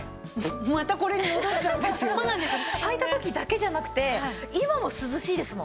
はいた時だけじゃなくて今も涼しいですもん。